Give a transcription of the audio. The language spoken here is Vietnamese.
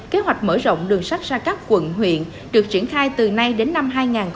kế hoạch mở rộng đường sách ra các quận huyện được triển khai từ nay đến năm hai nghìn hai mươi năm